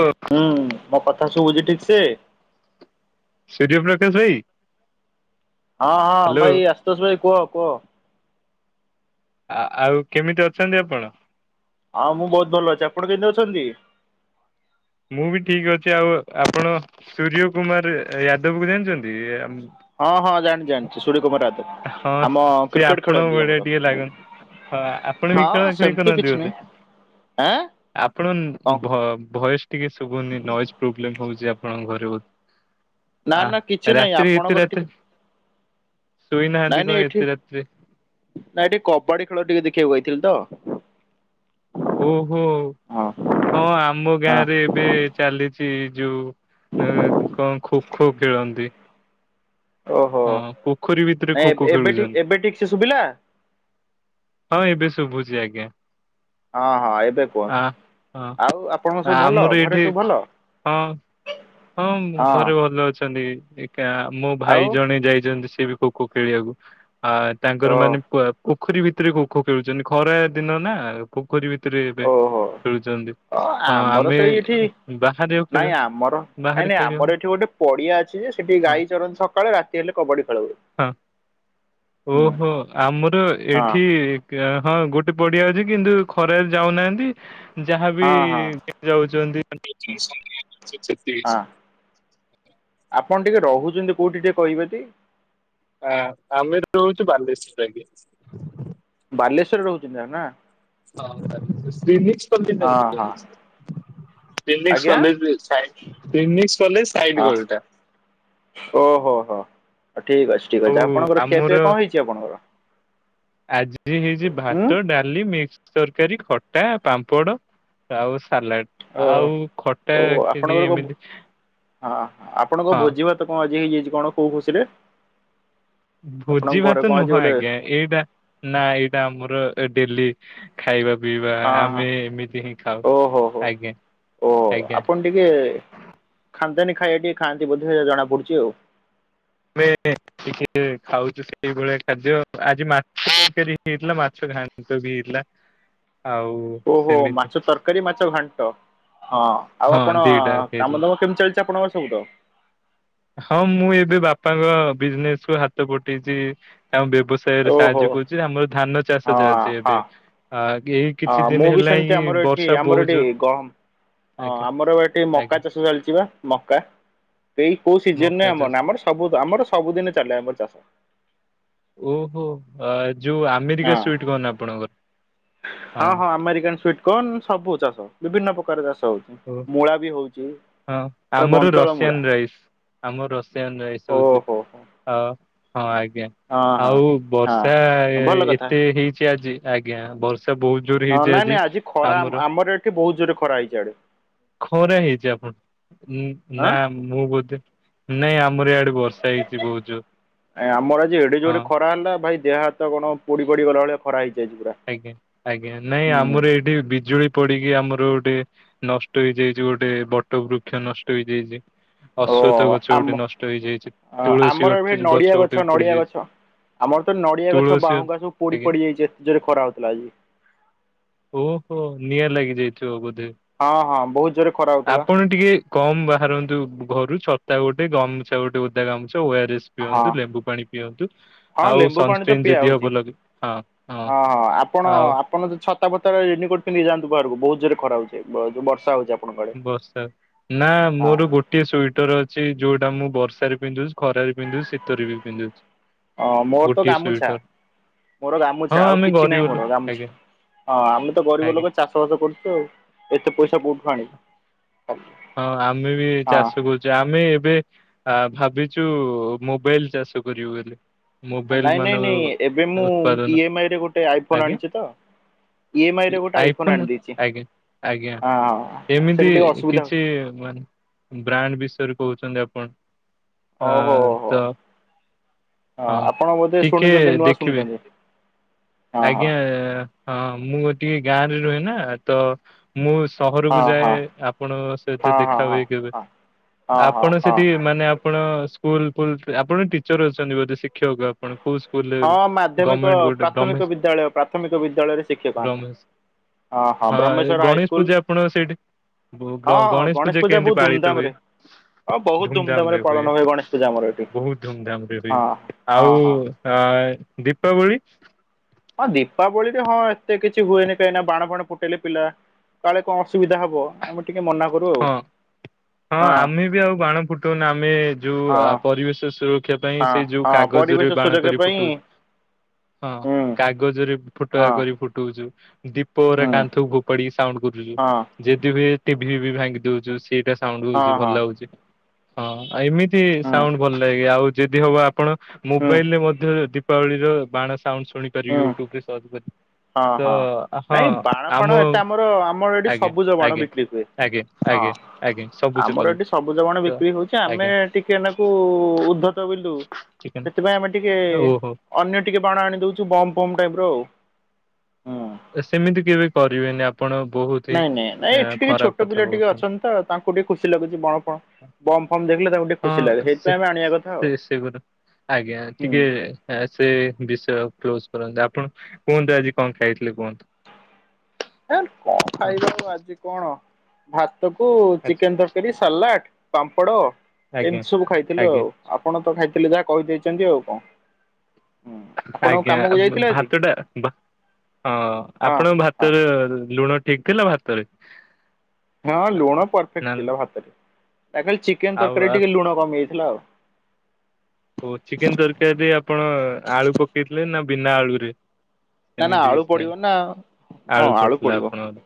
ଓ ହୁଁ ମୋ କଥା ସୁବୁଛି ଠିକ ସେ। [unintelligible] ଭାଇ। ହଁ ହଁ ହ୍ୟାଲୋ ଭାଇ ଆଶୁତୋଷ ଭାଇ କୁହ କୁହ। ଆ ଆଉ କେମିତି ଅଛନ୍ତି ଆପଣ? ହଁ ମୁଁ ବହୁତ ଭଲ ଅଛି ଆପଣ କେମତି ଅଛନ୍ତି? ମୁଁ ବି ଠିକ ଅଛି ଆଉ ଆପଣ ସୂର୍ଯ୍ୟ କୁମାର ଯାଦବକୁ ଜାଣିଛନ୍ତି। [unintelligible] ହଁ ହଁ ଜାଣିଛି ଜାଣିଛି ସୂର୍ଯ୍ୟ କୁମାର ୟାଦବ। ହଁ ଆମ ସେ କ୍ରିକେଟ ଆପଣଙ୍କ ଖେଳନ୍ତି ଆମର ଭଳିଆ ଟିକେ ଲାଗନ୍ତି। ହଁ ଆପଣ ବି ଖେଳା ହଁ ଖେଳି ସେମିତି କରନନ୍ତି କିଛି ବୋ। ନାହିଁ ଆଁ କଣ ଆପଣଙ୍କ ଭଏସ ଟିକେ ଶୁଭୁନି ନଏଜ ପ୍ରୋବ୍ଲେମ ହଉଛି ଆପଣ। କଣ ଘରେ ବହୁତ? ନା ନା କିଛି ନାହିଁ ଆପଣଙ୍କର ଟିକେ। ଶୋଇନାହାନ୍ତି ନାଇଁ କଣ ନାଇଁ ଏତେ ଏଠି ରାତିରେ ନାଇଁ ଏଠି କବାଡି ଖେଳ ଟିକେ ଦେଖିବା। ବଇଥିଲି ତ। ଓହୋ ହଁ ହଁ ଆମ ହଁ। ଗାଁରେ ଏବେ ଚାଲିଛି ଯୋଉ। କଣ ଖୋ ଖୋ ଖେଳନ୍ତି। ଓହୋ ହଁ ପୋଖରୀ ଭିତରେ ନାଇଁ ଖୋ ଖୋ ଏବେ ଠିକ ଖେଳୁଛନ୍ତି। ଏବେ ଠିକ ସେ ଶୁଭିଲା ହଁ ଏବେ ଶୁଭୁଛି ଆଜ୍ଞା। ହଁ ହଁ ଏବେ ଆ କୁହନ୍ତୁ ହଁ ଆଉ ଆପଣଙ୍କ ସବୁ ଭଲ ଆମର ଏଇଠି ଘରେ ସବୁ ଭଲ। ହଁ ହଁ ଘରେ ଭଲ ଅଛନ୍ତି। ମୋ ଆଉ ଭାଇ ଜଣେ ଯାଇଛନ୍ତି ସିଏ ବି ଖୋ ଖୋ ଖେଳିବାକୁ ଆ ଓ ତାଙ୍କର ମାନେ- ପୋଖରୀ ଭିତରେ ଖୋଖୋ ଖେଳୁଛନ୍ତି ଖରା ଦିନ ନା ପୋଖରୀ ଭିତରେ ଏବେ ଓହୋ। ଖେଳୁଛନ୍ତି। ଅ ହଁ ଆମର ଆମେ ସେଇ ଏଠି ବାହାରେ ଆଉ ଖେଳ ନାଇଁ ଆମର ନାଇଁ ବାହାରେ ନାଇଁ ଖେଳିବନି ଆମର ଏଠି ଗୋଟେ ପଡିଆ ଅଛି ଯେ ସେଠି- ହଁ ଗାଈ ଚରନ୍ତ ସକାଳେ ରାତି ହେଲେ କବାଡି ଖେଳୁ। ହଁ ଓହୋ ଆମର ଏ- ହଁ ଏଠି ହଁ ଗୋଟେ ପଡିଆ ଅଛି କିନ୍ତୁ ଖରାରେ ଯାଉନାହାନ୍ତି। ଯାହାବି ହଁ ହଁ ଯାଉଛନ୍ତି [unintelligible] ସେତିକି। ହଁ ଆପଣ ଟି- କ କୋଉଠି ଟିକେ କହିବେ କି? ହଁ ଆମେ ରହୁଛୁ ବାଲେଶ୍ୱରରେ। ବାଲେଶ୍ଵରରେ ରହୁଛନ୍ତି ତା ନା। [unintelligible] [unintelligible] ହଁ ହଁ ଆଜ୍ଞା ସାଇଟ୍ ଗଳିଟା। ଓ ହୋ ହୋ। ଠିକ ଅଛି ଠିକ ଆଉ ଅଛି ଆପଣଙ୍କର ଆମର ଖିଆପିଆ କଣ ହେଇଛି ଆପଣଙ୍କର। ଆଜି ହେଇଛି ଉଁ ଭାତ ଡାଲି ମିକ୍ସ। ତରକାରୀ ଖଟା ପାମ୍ପଡ଼ ଆଉ- ସାଲାଡ ଓ ଆଉ ଖଟା ଓ ଖିରି ଆପଣଙ୍କର କଣ ଏମିତି। ହଁ ଆପଣଙ୍କ ହଁ ଭୋଜି ଭାତ କଣ ଆଜି ହେଇଯାଇଛି କଣ କୋଉ ଖୁସିରେ। ଆପଣଙ୍କ ଭୋଜି ଘରେ ଭାତ କଣ ଆଜି ନୁହଁ ଗୋଟେ ଆଜ୍ଞା ଏଇଟା ନା ଏଇଟା ଆମର। ଏ ଡେଲି ଖାଇବା ପିଇବା ହଁ ହଁ ଆମେ ଏମିତି ହିଁ ଖାଉ ଓହୋ ହୋ ଆଜ୍ଞା। ଓ ଆଜ୍ଞା ଆପଣ ଟିକେ ଖାନ୍ଧନୀ ଖାଇବା ଟିକେ ଖାଆନ୍ତ ଇ ବୋଧେ ଜଣା ପଡୁଚି ଆଉ। [unintelligible] ଟିକେ ଖାଉଛୁ ସେଇଭଳିଆ ଖାଦ୍ୟ ଆଜି ମାଛ କେ ହେଇଥିଲା ମାଛ ଘାଣ୍ଟ ବି ହେଇଥିଲା। ଆଉ ଓହୋ ସେମିତି ମାଛ ତରକାରୀ ମାଛ ଘାଣ୍ଟ। ହଁ। ଆଉ ହଁ ଆପଣ ଦିଟା ହେଇଥିଲା କାମ ଦାମ କେମିତି ଚାଲିଛି ଆପଣଙ୍କର ସବୁ ତ? ହଁ ମୁଁ ଏବେ ବାପାଙ୍କ ବିଜନେସ କୁ ହାତ ପଠେଇଛି। ଆମ ବ୍ୟବସାୟରେ ଓହୋ ସାହାଯ୍ୟ କରୁଛି। ଆମର ଧାନ ଚାଷ ଚାଲିଛି ଏବେ। ଏଇ ଅ କିଛି ଦିନ ମୁଁ ବି ହେଲା ସେମତି ହିଁ ଆମର ଏଠି ବର୍ଷା ଆମର ବହୁତ ଏଠି ଜୋର ଗହ- ହଁ ଆଜ୍ଞା ଆମର ଏଠି ମକା ଆଜ୍ଞା ଚାଷ ଚାଲିଛି ବା ମକା। ଏଇ- କୋଉ ସିଜନ ମକା ରେ ଚାଷ ଆମର ନାଇଁ ଆମର ସବୁ ଆମର ସବୁଦିନ ଚାଲେ ଆମର ଚାଷ। ଓହୋ ଯୋଉ ହଁ ଆମେରିକା ସୁଇଟ କର୍ଣ୍ଣ ଆପଣଙ୍କର। ହଁ ହଁ ଆମେରିକାନ ସୁଇଟ କର୍ଣ୍ଣ। ସବୁ ଚାଷ ବିଭିନ୍ନ ପ୍ରକାର ଚାଷ। ହ। ଓ ମୂଳା ବି ହଉଛି ପୁରା ବନ୍ତଳ ମୂଳା। ଆମ ରସାୟନ ରାଇସ ଓହୋ ହେଉଛି। ହୋ ହଁ ଅ ହଁ ଆଜ୍ଞା। ଆଜ୍ଞା। ହଁ। ଆଉ ବର୍ଷା ହଁ ଭଲ କଥା ଏତେ ହେଇଛି ଆଜି ଆଜ୍ଞା ବର୍ଷା ବହୁତ ଜୋର ହେଇଛି। ହଁ ନାଇଁ ନାଇଁ ଆଜି ଖରା ଆମର ଏଠି ବହୁତ ଜୋରରେ ଖରା ହେଇଛି ଆଡେ। ଖରା ହେଇଛି ଆପଣ ଆଁ ନା ମୁଁ ବୋଧେ ନାଇଁ ଆ- ଆମର ଆଜି ଏଡେ ଯୋରରେ ହଁ ଖରା ହେଲା ଭାଇ। ଦେହ ହାତ କଣ ପୋଡି ପଡି ଗଲା ଭଳି ଖରା ହେଇଛି। ଆଜି ପୁରା। ଆଜ୍ଞା ଆଜ୍ଞା ନାଇଁ ହୁଁ ଆମର ଏଇଠି ବି- ବିଜୁଳି ପଡିକି ଆମର ଗୋଟେ ନଷ୍ଟ ହେଇଯାଇଛି ଗୋଟେ ବଟ ବୃକ୍ଷ ନଷ୍ଟ ହେଇଯାଇଛି। ଓ ଅଶ୍ଵଥ ଗଛ ଆମ ଗୋଟେ ନଷ୍ଟ ହେଇଯାଇଛି। ତୁଳସୀ ଆମର ଏବେ ଗଛ ନଡିଆ ଗଛ ଗୋଟେ ଉପୁଡି ନଡିଆ ଗଛ ଯାଇଛି। ଆମର ତ ନଡିଆ ଗଛ ତୁଳସୀ ବାହୁଗା ସବୁ ପଡି ଆଜ୍ଞା ପଡି ଯାଇଛି ଏତେ ଜୋରରେ ଖରା ହଉଥିଲା ଆଜି। ଓହୋ ନିଆଁ ଲାଗି ଯାଇଥିବ ବୋଧେ। ହଁ ହଁ ବହୁତ ଜୋରେ ଖରା ହଉଥିଲା ଆପଣ ଟିକେ କମ ବାହାରନ୍ତୁ ଘରୁ। ଛତା ଗୋଟେ ଗମଛା ଗୋଟେ ଉଦା ଗାମଛ। ଓ ଆର ଏସ ହଁ ପିଅନ୍ତୁ ଲେମ୍ବୁ ପାଣି ପିଅନ୍ତୁ ହଁ ଆଉ ଲେମ୍ବୁ ପାଣି ତ ସନକ୍ରିନ୍ ପିଆ ଯଦି ହଉଛି। ହବ ଲ ହଁ ହଁ। ହଁ ହଁ ଆପଣ ଆଉ ଆପଣ ଯ ଛ- ଛତା ଫତା ରେଡି କରିକି ନେଇ ଯାନ୍ତୁ ବାହାରକୁ ବହୁତ ଜୋରେ ଖରା ହଉଛି ଉ ବର୍ଷା ହଉଛି। ଆପଣଙ୍କ ଆଡେ। ବର୍ଷା ନା ମୋର ଗୋଟଏ ସ୍ବେଟର୍ ଅଛି ଯୋଉଟା ମୁଁ ବର୍ଷାରେ ପିନ୍ଧୁଛି। ଖରାରେ ପିନ୍ଧୁଛି ଶୀତରେ ବି ପିନ୍ଧୁଛି ହଁ ମୋର ତ ଗୋଟିଏ ଗାମୁଛା ସୁଇଟର। ମୋର ହଁ ଗାମୁଛା ଆଉ ଆମେ କିଛି ଗରିବ ନାହିଁ ମୋର ଲୋକ ଗାମୁଛା। ଆଜ୍ଞା ହଁ ଆମେ ତ ଗରିବ ଆଜ୍ଞା ଲୋକ ଚାଷ ବାସ କରୁଛୁ ଆଉ ଏତେ ପଇସା କୋଉଠୁ ଆଣିବୁ? ହଁ ଆମେ ବି ଚାଷ କରୁଛେ ଆମେ ଏବେ- ଆ ଭାବିଛୁ ମୋବାଇଲ ଚାଷ କରିବୁ ବୋଲି। ମୋବାଇଲ ନାଇଁ ନାଇଁ ମାନଙ୍କ ନାଇଁ ଏବେ ମୁଁ ଉତ୍ପାଦନ। ଇ ଏମ ଆଇ ରେ ଗୋଟେ ଆଇଫୋନ ଆଜ୍ଞା। ଆଣିଛି ତ ଇ ଏମ ଆଇ ରେ ଗୋଟେ ଆଇଫୋନ ଆଣି ଦେଇଛି ଆଜ୍ଞା ଆଜ୍ଞା ହଁ ସେଠି ଟିକେ ଏମିତି- ଅସୁବିଧା ହଉଛି କିଛି ମାନେ ବ୍ରାଣ୍ଡ ବିଷୟରେ କହୁଛନ୍ତି ଆପଣ। ଓହୋ ହଁ ହୋ ତ। ହଁ ଆପଣ ବୋଧେ ଟିକେ ଶୁଣୁଛନ୍ତି ନୂଆ ଦେଖିବେ। ଶୁଣୁଛନ୍ତି ହଁ ହଁ ଆଜ୍ଞା ହଁ ମୁଁ ଟିକେ ଗାଁ ରେ ରୁହେ ନା ତ ମୁଁ- ସହରକୁ ଯାଏ ହଁ ଆପଣଙ୍କ ସହିତ ହଁ ହଁ ଦେଖା ହଁ ହଁ। ହୁଏ କେବେ। ହଁ ହଁ ଆପଣ ହଁ ହଁ ସେଠି ମାନେ ଆପଣ- ସ୍କୁଲ ଫୁଲ ଆପଣ ଟିଚର ଅଛନ୍ତି ବୋଧେ ଶିକ୍ଷକ ଆପଣ କଉ ସ୍କୁ- ହଁ ମାଧ୍ୟମିକ ପ୍ରାଥମିକ ବିଦ୍ୟାଳୟ ପ୍ରାଥମିକ ବିଦ୍ୟାଳୟରେ ଶିକ୍ଷକ ଆମେ। ବ୍ରହ୍ମେଶ ହଁ ଗଣେଶ ପୂଜା ଆପଣଙ୍କ ସେଇଠି- ଗ ହଁ ହଁ ଗଣେଶ ପୂଜା କେମିତି ବହୁତ ପାଳିତ ଧୁମଧାମ ହୁଏ? ରେ ହଁ ବହୁତ ଧୁମଧାମ ରେ ଧୁମଧାମରେ ହୁଏ ପାଳନ ଗଣେଶ ପୂଜା ଆମର ଏଠି ବହୁତ ଧୁମଧାମ ରେ ହୁଏ। ହଁ ହଁ ଆଉ ହଁ। ଆ ଏ - ଦୀପାବଳି। ହଁ ଦୀପାବଳିରେ ହଁ ଏତେ କିଛି ହୁଏନି କାହିଁକି ନା ବାଣ ଫଣ ଫୁଟେଇଲେ ପିଲା- କାଳେ କଣ ଅସୁବିଧା ହବ ଆମେ ଟିକେ ମନା କରୁ ଆଉ। ହଁ। ହଁ ଆମେ ବି ଆଉ ବାଣ ଫୁଟଉନ ଆମେ ଯୋଉ ହଁ ପରିବେଶ ସୁରକ୍ଷା ପାଇଁ ହଁ ସେଇ ଯୋଉ ହଁ ପରିବେଶ କାଗଜରେ- ବାଣ ସୁରକ୍ଷା କରି ପାଇଁ ଫୁଟଉଛୁ। ହଁ। ହୁଁ କାଗଜରେ ଫୁଟା ହଁ କରି ଫୁଟୋଉଚୁ ଦୀପରେ ହୁଁ କାନ୍ଥକୁ [unintelligible] ସାଉଣ୍ଡ୍ କରୁଚି ଯିଏ ହଁ ଯେଦି ବି ଟିଭି ଫିଭି ଭାଙ୍ଗି ଦଉଚୁ ସେଇଟା ସାଉଣ୍ଡ୍ ହଁ ହଉଚି ଭଲ ହଁ ଲାଗୁଚି। ହଁ ଏମିତି ହୁଁ ସାଉଣ୍ଡ୍ ଭଲ ଲାଗେ। ଆଉ ଯେଦି ହବ ଆପଣ ହୁଁ ମୋବାଇଲରେ ମଧ୍ୟ ଯଦି ଦୀପାବଳିର ବାଣ ସାଉଣ୍ଡ ଶୁଣିପାରି ହୁଁ ୟୁଟ୍ୟୁବରେ ସର୍ଚ୍ଚ କରି। ହଁ ତ ହଁ ହଁ ନାଇଁ ବାଣ ଫାଣ ଆମ ଏତେ ଆମର ଆମର ଏଠି ଆଜ୍ଞା ସବୁଜ ବାଣ ଆଜ୍ଞା ବିକ୍ରି ହୁଏ। ଆଜ୍ଞା ହଁ। ଆଜ୍ଞା ଆଜ୍ଞା ସବୁଜ ଆମର କଲର ଏଠି ସବୁଜ ବାଣ ତ ବିକ୍ରି ହଉଚି ଆମେ ଆଜ୍ଞା ଟିକେ ନାକୁ ଉଦ୍ଧତ ବିଲୁ। ଚିକେନ ସେଥିପାଇଁ ଆମେ ଟିକେ ଓହୋ ଅନ୍ୟ ଟିକେ ବାଣ ଆଣି ଦଉଚୁ ବମ୍ ପମ୍ ନାଇ ବ୍ରୋ। ହୁଁ। ଏ ସେମିତି କେବେ କରିବେନି ଆପ୍ ନାଇଁ ନାଇଁ ନାଇଁ ଏଠି ଟିକେ ଛୋଟ କଥା ପିଲା ଟିକେ କହୁଛନ୍ତି ଅଛନ୍ତି ତ ତାଙ୍କୁ ଟିକେ ଖୁସି ଲାଗୁଚି ବାଣ ପାଣ। ବମ ଫମ ଦେଖିଲେ ତାକୁ ଟିକେ ହଁ ଖୁସି ଲାଗେ ସେ ସେଇଥିପାଇଁ ଆମେ ଆଣିବା କଥା ସେ ଆଉ। ସେଗୁରା ଆଜ୍ଞା ହୁଁ ଟିକେ ସେ ବିଷୟ କ୍ଲୋଜ କରନ୍ତୁ। ଆପଣ କୁହନ୍ତୁ ଆଜି କଣ ଖାଇଥିଲେ କୁହନ୍ତୁ? ହେ କଣ ହଁ, ଖାଇବା ଆଉ ଆଜି କଣ? ଭାତ କୁ ଆଚ୍ଛା, ଚିକେନ ତରକାରୀ ସାଲାଟ୍ ପାମ୍ପଡ଼। ଆଜ୍ଞା ଏମିତି ସବୁ ଖାଇଥିଲୁ। ଆଜ୍ଞା ଆଉ ଆପଣ ତ ଖାଇଥିଲେ ଯାହା କହିଦେଇଚନ୍ତି ଆଉ କଣ? ହୁଁ ଆପଣଙ୍କ ଆଜ୍ଞା କାମକୁ ଭ-ଭ ଯାଇଥିଲେ ଆଜି ଭାତଟା ଭ ହଁ ଆପଣଙ୍କ ଘର ତେବେ ଲୁଣ ଠିକ ଥିଲା ଭାତରେ? ହଁ ଲୁଣ ପରଫେକ୍ଟ ନା ଥିଲା ଭାତରେ। ଏକାଖାଲି ଚିକେନ ଆଉ ତରକାରୀ ଟିକେ ଲୁଣ କମିଯାଇଚି। ହେଲୋ। ଚିକେନ ତରକାରୀରେ ଆପଣ ଆଳୁ ପକେଇଥିଲେ ନା ବିନା ଆଳୁ ରେ। ନା ନା ଆଳୁ ପଡିବ ନା। ହଁ ଆଳୁ ପଡିଥିଲା ପଡିବ। ଆପଣଙ୍କର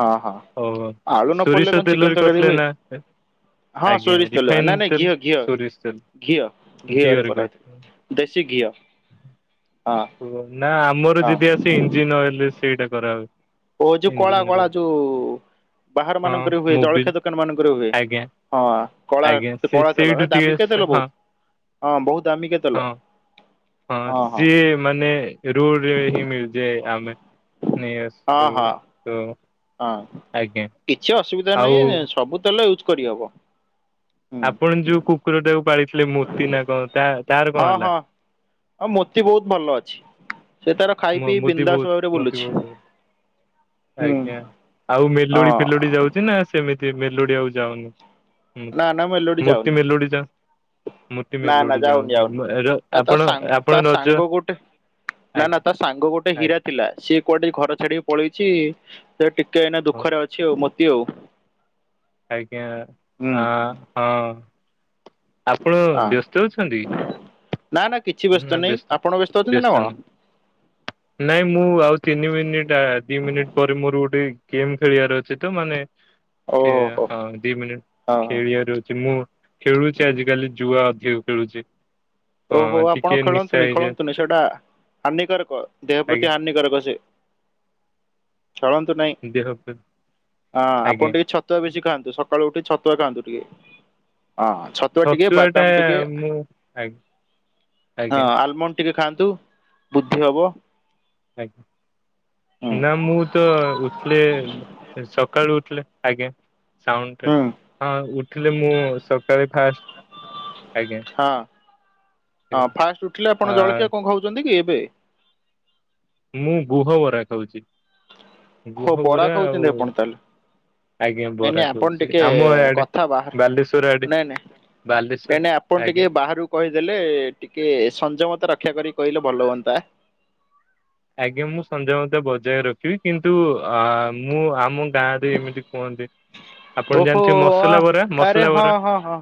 ହଁ ହଁ ଓହୋ। ଆଳୁ ନ ସୋରିଷ ପଡ଼ିଲେ କଣ ଚିକେନ ତେଲରେ ତରକାରୀ କରିଥିଲେ ହୁଏ। ନା ହଁ ଆଜ୍ଞା ସୋରିଷ ତେଲ ରିଫାଇନ ନା ନାଇ ତେଲ ଘିଅ ଘିଅ ସୋରିଷ ତେଲ ଘିଅ। ଘିଅରେ କରାହେଇଚି। ଦେଶୀ ଘିଅ ହଁ ଓ ନା ଆମର ହଁ ଯେଦି ଆସେ ଇଞ୍ଜିିନ ଅଏଲେ ସେଇଟା କରାହୁଏ। ଓ ଯୋଉ କଳା ଇଞ୍ଜିନ କଳା ଅଏଲ ଯୋଉ ବାହାର ହଁ ମାନଙ୍କରେ ହୁଏ। ମୋବିଲ ଜଳଖିଆ ଦୋକାନ ମାନଙ୍କରେ ହୁଏ। ଆଜ୍ଞା ହଁ। କଳା ଆଜ୍ଞା କେ ସେ କଳା ତେଲ ସେଇଠୁ ଏ ଦାମିକିଆ ଟିକେ ତେଲ ହଁ ବହୁତ। ହଁ ବହୁତ ଦାମିକିଆ ତେଲ। ହଁ ହଁ ସିଏ ମାନେ ରୋଡ୍ ରେ ହିଁ ମିଳିଯାଏ। ଆମେ ନେଇ ହଁ ଆସୁ। ହଁ [unintelligible] ହଁ ଆଜ୍ଞା କିଛି ଅସୁବିଧା ଆଉ ନାହିଁ ହେ ସବୁ ତେଲ ୟୁଜ୍ କରିହବ। ହୁଁ ଆପଣ ଯୋଉ କୁକୁର ଟାକୁ ପାଳିଥିଲେ ମୋତି ନା କଣ ତା ତାର କଣ ହଁ ହେଲା? ହଁ ଆଉ ମୋତି ବହୁତ ଭଲ ଅଛି। ସେ ତାର ଖାଇ ମୋ ପିଇ ମୁଦି ବିନ୍ଦାସ ଭାବରେ ବହୁତ ମୁଦି ବୁଲୁଛି। ବହୁତ ଏ। ହୁଁ। ଆଜ୍ଞା। ଆଉ ମେଲୋଡି ଫେଲୋଡି ହଁ ଯାଉଚି ନା ସେମିତି ମେଲୋଡି ଆଉ ଯାଉନି। ମୁଁ ନା ନା ମେଲୋଡି ମୂର୍ତ୍ତି ଯାଉନି ମେଲୋ଼ଡି ଯାଉ ମୁତି ନା ନା ମେଲୋଡ଼ି ଯାଉନି ଯାଉ ଯାଉନି। [unintelligible] ନା ତା ଆପଣ ସାଙ୍ଗ ତା ଆପଣ ରଜ ସାଙ୍ଗ ଗୋଟେ ନା ନା ଆଜ୍ଞା। ତା ସାଙ୍ଗ ଗୋଟେ ହୀରା ଥିଲା। ସିଏ କୁଆଡେ ଏ ଘର ଛାଡିକି ପଳେଇଛି। ସେ ଟିକେ ଏଇନା ଦୁଃଖରେ ଅଛି ଆଉ ମତ୍ କି ଓ। ଆଜ୍ଞା ହଁ ହଁ। ଆପଣ ହଁ ବ୍ୟସ୍ତ ଅଛନ୍ତି? ନା ନା କିଛି ଉଁ ନା ନାହିଁ ବ୍ୟସ୍ତ ଆପଣ ଅଛନ୍ତି ନା ବ୍ୟସ୍ତ କଣ? ନାହିଁ। ନାଇଁ ମୁଁ ଆଉ ତିନି ମିନିଟ୍ ଆ ଦି ମିନିଟ୍ ପରେ ମୋର ଗୋଟେ ଗେମ୍ ଖେଳିବାର ଅଛି ତ ମାନେ ସେ ହଁ ଦି ମିନିଟ ହଁ ଖେଳିବାର ଅଛି। ମୁଁ ଖେଳୁଚି ଆଜିିକାଲି ଜୁଆ ଅଧିକ ଖେଳୁଚି। ଓହୋ ଆପ୍ ଆପଣ ଖେଳନ୍ତୁନି ଖେଳନ୍ତୁନି ସେଟା ହାନିକାରକ ଦେହ ଆଜ୍ଞା ପ୍ରତି ହାନିକାରକ ସେ। ଚଳନ୍ତୁ ନାହିଁ ଦେହ ପ୍ରତି- ଅଁ ଆଜ୍ଞା ଆପଣ ଟିକେ ଛତୁଆ ବେଶୀ ଖାଆନ୍ତୁ ସ ସକାଳୁ ଉଠିକି ଛତୁଆ ଖାଆନ୍ତୁ ଟିକେ ହଁ ଛତୁଆ ଟିକେ ବାଦାମ ଟିକେ ମୁଁ ଆଜ୍ଞା ହଁ ଆଜ୍ଞା ଆଲମଣ୍ଡ ଟିକେ ଖାଆନ୍ତୁ ବୁଦ୍ଧି ହବ। ହୁଁ ଆଙ୍ଗ ନା ମୁଁ ତ ଉଠିଲି ସ ସକାଳୁ ଉଠିଲେ ଆଜ୍ଞା ସାଉଣ୍ଡ ହୁଁ ଟା ହଁ ଉଠିଲେ ମୁଁ ସକାଳେ ଫାଷ୍ଟ ଆଜ୍ଞ। ହଁ ହଁ ଫାଷ୍ଟ ଉଠିଲେ ଆ ଆପଣ ଜଳଖିଆ କଣ ଖାଉଛନ୍ତି କି ଏବେ? ମୁଁ ଗୁହ ବରା ଖାଉଚି। ହୋ ବରା ଖାଉଚନ୍ତି ଆପଣ ତାହାଲେ। ଆଜ୍ଞା ନାଇଁ ବରା ନାଇଁ ଆପଣ ଖାଉଛି ଟିକେ ଆମ ଆଡେ କଥା ବାଲେଶ୍ଵର ଆଡେ ବାହାର ନାଇଁ ନାଇଁ ବାଲେଶ୍ଵର ନାଇଁ ନାଇଁ ଆପଣ ଆଜ୍ଞା ଟିକେ ବାହହାରକୁ କହିଦେଲେ ଟିକେ ସଂଯମତା ର ରକ୍ଷା କରି କହିଲେ ଭଲ ହୁଅନ୍ତା। ଆଜ୍ଞା ମୁଁ ସଞ୍ଜମତ ବଜାୟ ରଖିବି କିନ୍ତୁ ଅ ମୁଁ ଆମ ତାରେ ଏମିତି କୁହନ୍ତି। ଆପଣ ଓହୋ ଜାଣିଥିବେ ୟା ମସଲା ବରା ଆରେ ମସଲା ହଁ ବରା ହଁ ହଁ।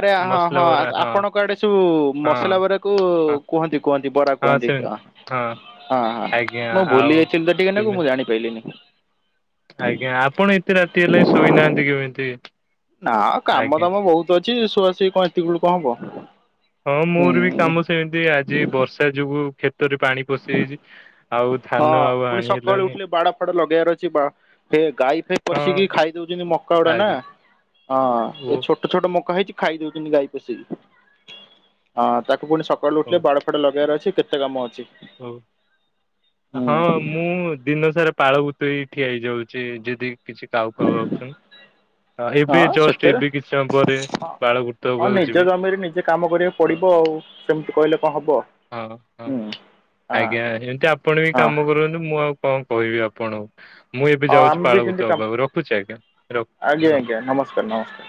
ଆରେ ହଁ ମସଲା ହଁ ଆ ବରା ଆପଣଙ୍କ ଆଡେ ସବୁ ହଁ ମସଲା ବରାକୁ ହଁ କୁହନ୍ତି କୁହନ୍ତି ବରା କୁହନ୍ତି ହଁ। ହଁ। ହଁ ହଁ ଆଜ୍ଞା ମୁଁ ଭୁଲି ଆଉ ଯାଇଥିଲି ତ ଟିକେ ନାକୁ ସେମିତି ମୁଁ ଜାଣି ପାଇଲିନି। ଆଜ୍ଞା ଆପଣ ଏତେ ରାତି ହେଲା ଶୋଇନାହାନ୍ତି କେମିତି? ନା କାମ ଆଜ୍ଞା। ଦାମ ବହୁତ ଅଛି ଶୁଆଶୁଇ କଣ ଏତିକି ବେଳୁ କଣ ହବ? ହଁ ହୁଁ ମୋର ବି କାମ ସେମିତି ଆଜି ବର୍ଷା ଯୋଗୁ କ୍ଷେତରେ ପାଣି ପଶିଯାଇଛି। ଆଉ ହଁ ଧାନ ଆଉ ପୁଣି ଆଣି ସକାଳୁ ହେଲାନି ଉଠିଲେ ବାଡ଼ ଫାଡ଼ ଲଗେଇବାର ଅଛି ବା ଏ ଗାଈ ଫାଇ ହଁ ପଶିକି ଖାଇଦଉ ତି ମକା ଗୁଡା ନା ଆଜ୍ଞା ହଁ ଓ ଏ ଛୋଟ ଛୋଟ ମକା ହେଇଛି ଖାଇ ଦଉଛନ୍ତି ଗାଈ ପୋଷି ଆସି। ହଁ ତାକୁ ପୁଣି ସକାଳୁ ହଉ ଉଠିଲେ ବାଡ଼ ଫାଡ଼ ଲଗାଇବାର ଅଛି କେତେ କାମ ଅଛି। ହଉ। ହୁଁ ହଁ ମୁଁ ଦିନସାରା ପାଳ ଭୂତ ହୋଇ ଠିଆ ହେଇଯାଉଛି ଯଦି କିଛି କାଉ ଫାଉ ଆଉଛନ୍ତି। ହ ଏବେ ହଁ ଜଷ୍ଟ ସେଥିରେ ଏବେ କିଛି ସମୟ ପରେ ହଁ ପାଳଭୂତ ହେବାକୁ ଯିବି। ହଁ ହଉ ସେମିତି କହିଲ। ହଁ ହଁ ହଁ ଆଜ୍ଞା ଏମିତି ଆପଣ ବି ହଁ ହଁ କାମ କରନ୍ତୁ। ମୁଁ ଆଉ କଣ କହିବି ଆପଣ ମୁଁ ଏବେ ଯାଉଛି ଆମେ ବି ସେମିତି ପାଳଭୂତ କାମ ହେବାକୁ। ରଖୁଛି ଆଜ୍ଞା। ରଖୁ ଆଜ୍ଞା ହଁ। [inaudible] ଆଜ୍ଞା ନମସ୍କାର ନମସ୍କାର